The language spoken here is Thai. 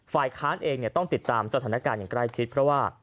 ฝ่ายค้านเองต้องติดตามสถานการณ์อย่างใกล้ชิดเพราะว่า